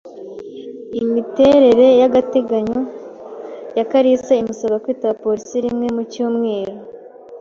Imiterere y’agateganyo ya kalisa imusaba kwitaba polisi rimwe mu cyumweru